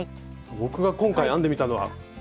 僕が今回編んでみたのはこれです！